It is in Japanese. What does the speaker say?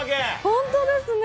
本当ですね。